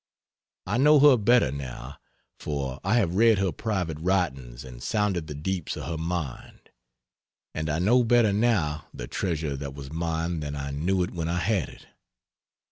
I know her better now; for I have read her private writings and sounded the deeps of her mind; and I know better, now, the treasure that was mine than I knew it when I had it.